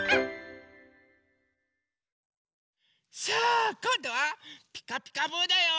さあこんどは「ピカピカブ！」だよ。